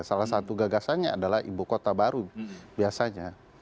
salah satu gagasannya adalah ibu kota baru biasanya